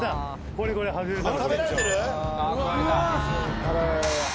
これこれ外れたの。